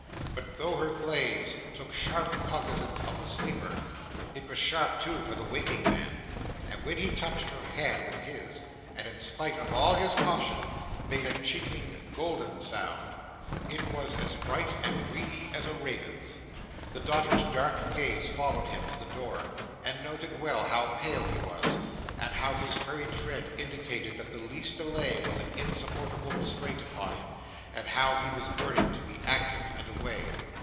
But though her glance took sharp cognizance of the sleeper, it was sharp too for the waking man; and when he touched her hand with his, and in spite of all his caution, made a chinking, golden sound, it was as bright and greedy as a raven's. The daughter's dark gaze followed him to the door, and noted well how pale he was, and how his hurried tread indicated that the least delay was an insupportable restraint upon him, and how he was burning to be active and away.